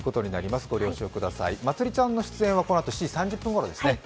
まつりちゃんの出演はこのあと７時３０分ごろですね。